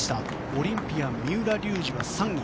オリンピアンの三浦龍司は３位。